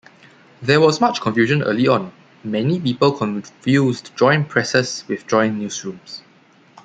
There was much confusion early on; many people confused joint presses with joint newsrooms.